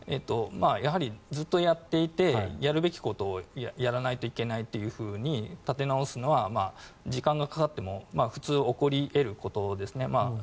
やはりずっとやっていてやるべきことをやらないといけないと立て直すのは時間がかかっても普通は起こり得ることですね。